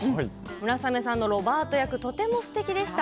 村雨さんのロバート役とてもすてきでした。